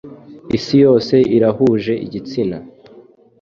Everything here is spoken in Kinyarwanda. Isi yose irahuje igitsina;